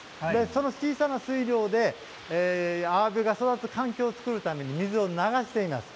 その小さな水量であわびが育つ環境を作るために水を流しています。